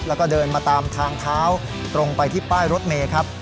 แล้วก็เดินมาตามทางเท้าตรงไปที่ป้ายรถเมย์ครับ